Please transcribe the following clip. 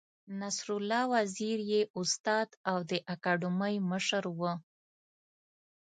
نصرالله وزیر یې استاد او د اکاډمۍ مشر و.